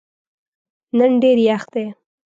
نن ډېر یخ دی.